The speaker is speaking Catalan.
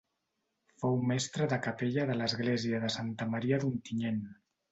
Fou mestre de capella de l'església de Santa Maria d'Ontinyent.